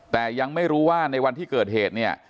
แต่ยังไม่รู้ว่าในวันที่เกิดเหตุเนี่ย